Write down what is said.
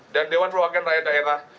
dan dewan perwakilan rakyat daerah